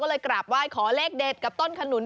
ก็กลับว่าให้ขอเลขเด็ดกับต้นขนุน